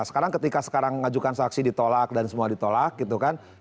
sekarang ketika sekarang ngajukan saksi ditolak dan semua ditolak gitu kan